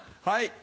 はい。